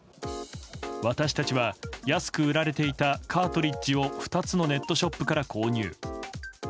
私たちは安く売られていたカートリッジを２つのネットショップから購入。